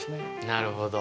なるほど！